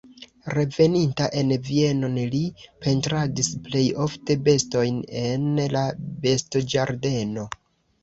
Reveninta en Vienon li pentradis plej ofte bestojn en la bestoĝardeno.